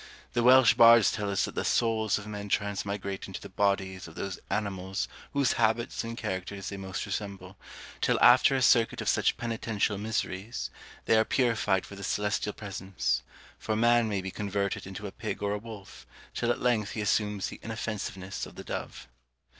The Welsh bards tell us that the souls of men transmigrate into the bodies of those animals whose habits and characters they most resemble, till after a circuit of such penitential miseries, they are purified for the celestial presence; for man may be converted into a pig or a wolf, till at length he assumes the inoffensiveness of the dove.